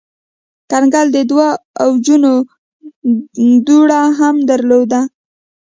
کنګل د دوه اوجونو دوره هم درلوده.